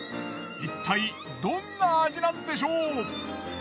いったいどんな味なんでしょう？